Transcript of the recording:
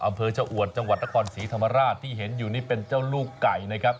อำเภอชะอวดจังหวัดนครศรีธรรมราชที่เห็นอยู่นี่เป็นเจ้าลูกไก่นะครับ